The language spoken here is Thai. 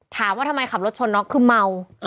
ถามว่าทำไมขับรถชนน็อกคือเมา